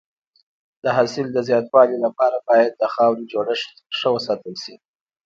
د حاصل د زیاتوالي لپاره باید د خاورې جوړښت ښه وساتل شي.